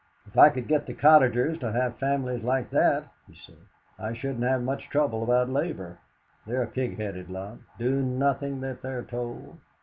"If I could get the cottagers to have families like that," he said, "I shouldn't have much trouble about labour. They're a pig headed lot do nothing that they're told.